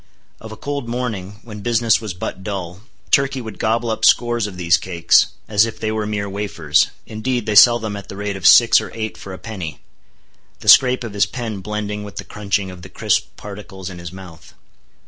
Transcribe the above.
Of a cold morning when business was but dull, Turkey would gobble up scores of these cakes, as if they were mere wafers—indeed they sell them at the rate of six or eight for a penny—the scrape of his pen blending with the crunching of the crisp particles in his mouth.